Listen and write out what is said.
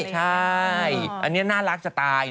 ใช่อันนี้น่ารักจับตายเนอะ